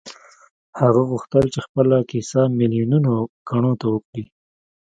هغه غوښتل خپله کيسه ميليونو کڼو ته وکړي.